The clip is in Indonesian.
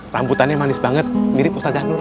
rambutannya manis banget mirip ustaz zahid